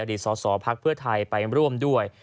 สอสอพักเพื่อไทยไปร่วมด้วย